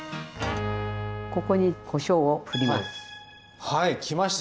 ここにこしょうをふります。